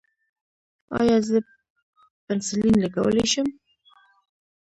ایا زه پنسلین لګولی شم؟